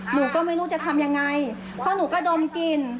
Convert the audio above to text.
หนูก็ไม่รู้จะทำยังไงเพราะหนูก็ดมกลิ่น